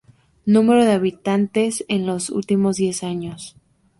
Número de habitantes en los últimos diez años.